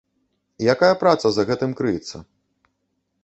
Якая праца за гэтым крыецца?